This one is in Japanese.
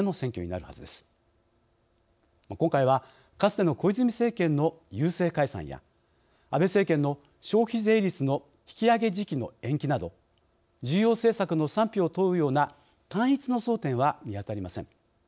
今回はかつての小泉政権の郵政解散や安倍政権の消費税率の引き上げ時期の延期など重要政策の賛否を問うような単一の争点は見当たりません。